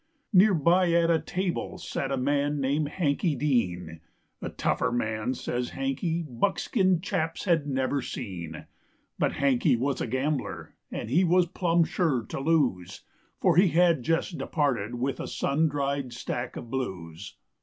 Nearby at a table sat a man named Hankey Dean, A tougher man says Hankey, buckskin chaps had never seen. But Hankey was a gambler and he was plum sure to lose; For he had just departed with a sun dried stack of blues.